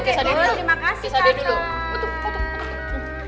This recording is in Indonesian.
terima kasih kakak